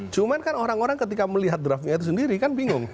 cuma kan orang orang ketika melihat draftnya itu sendiri kan bingung